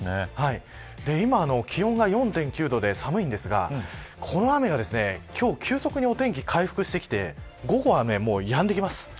今、気温が４．９度で寒いですがこの雨が今日急速にお天気回復してきて午後は、雨やんできます。